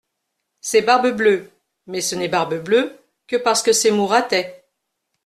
C'est Barbe-Bleue ; mais ce n'est Barbe-Bleue que parce que c'est Mouratet.